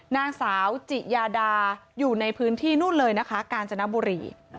นางสาวจิยาดาอยู่ในพื้นที่นู่นเลยนะคะกาญจนบุรี